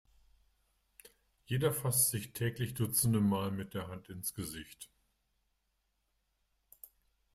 Jeder fasst sich täglich dutzende Male mit der Hand ins Gesicht.